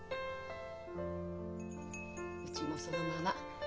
うちもそのまま。